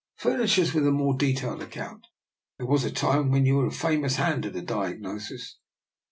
Fur nish us with a more detailed account. There was a time when you were a famous hand at a diagnosis."